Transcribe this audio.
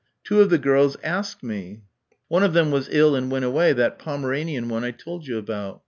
Two of the girls asked me. One of them was ill and went away that Pomeranian one I told you about.